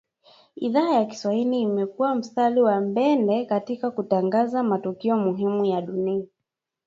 idhaa ya kiswahili imekua mstari wa mbele katika kutangaza matukio muhimu ya dunia